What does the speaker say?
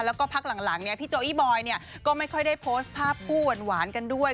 แล้วก็พักหลังเนี่ยพี่โจ้อีบอยเนี่ยก็ไม่ค่อยได้โพสต์ภาพผู้หวานกันด้วย